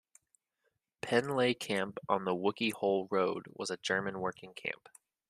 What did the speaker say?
Penleigh Camp on the Wookey Hole Road was a German working camp.